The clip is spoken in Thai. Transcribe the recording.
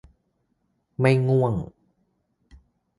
ไม่ง่วง